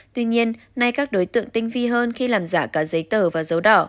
tuy nhiên nay các đối tượng tinh vi hơn khi làm giả cả giấy tờ và dấu đỏ